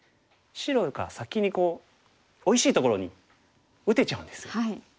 白が先においしいところに打てちゃうんですよ。